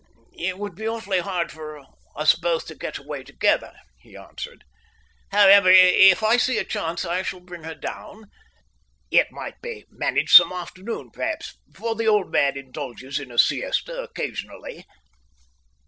"It would be rather hard for us both to get away together," he answered. "However, if I see a chance I shall bring her down. It might be managed some afternoon perhaps, for the old man indulges in a siesta occasionally."